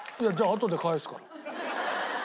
あとで返すから。